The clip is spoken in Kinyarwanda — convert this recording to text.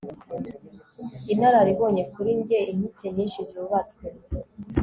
Inararibonye kuri njye inkike nyinshi zubatswe